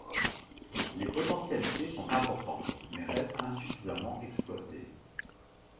Les potentialités sont importantes, mais restent insuffisamment exploitées.